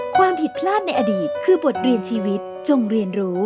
ความผิดพลาดในอดีตคือบทเรียนชีวิตจงเรียนรู้